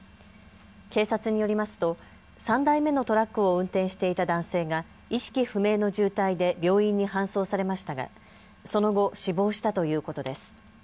警察によりますと３台目のトラックを運転していた男性が意識不明の重体で病院に搬送されましたがその後、死亡したということです。